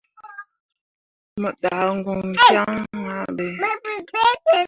Mo ɗah goŋ kyaŋ ah ɓe.